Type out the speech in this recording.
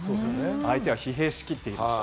相手は疲弊しきっていました。